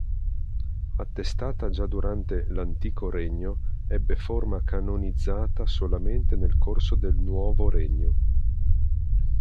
Attestata già durante l"'Antico Regno" ebbe forma canonizzata solamente nel corso del "Nuovo Regno".